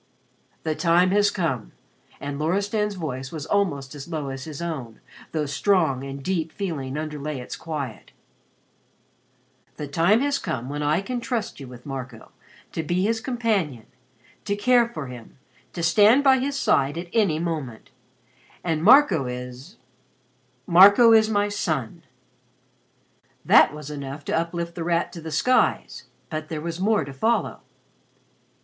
"The time has come," and Loristan's voice was almost as low as his own, though strong and deep feeling underlay its quiet "the time has come when I can trust you with Marco to be his companion to care for him, to stand by his side at any moment. And Marco is Marco is my son." That was enough to uplift The Rat to the skies. But there was more to follow.